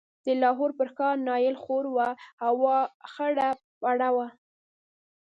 د لاهور پر ښار نایل خور و، هوا خړه پړه وه.